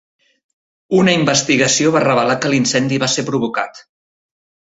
Una investigació va revelar que l'incendi va ser provocat.